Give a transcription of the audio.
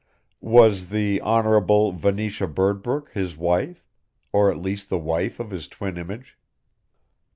Was the Honble: Venetia Birdbrook his wife, or at least the wife of his twin image?